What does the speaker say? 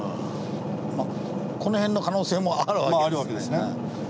この辺の可能性もあるわけですね。